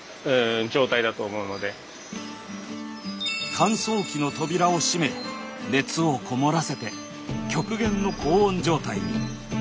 乾燥機の扉を閉め熱を籠もらせて極限の高温状態に。